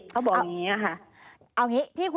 เขาบอกอย่างนี้ค่ะ